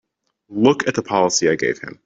Look at the policy I gave him!